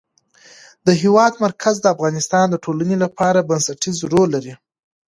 د هېواد مرکز د افغانستان د ټولنې لپاره بنسټيز رول لري.